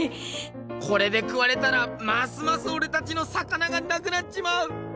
これで食われたらますますオレたちの魚がなくなっちまう！